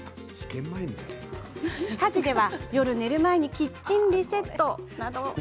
家事でいうと夜寝る前にキッチンリセット。